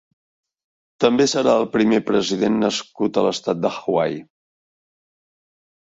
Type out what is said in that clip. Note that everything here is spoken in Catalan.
També serà el primer president nascut a l'estat de Hawaii.